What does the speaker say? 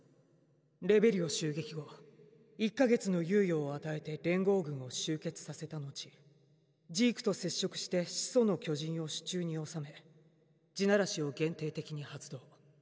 レベリオ襲撃後１か月の猶予を与えて連合軍を集結させた後ジークと接触して始祖の巨人を手中に収め「地鳴らし」を限定的に発動。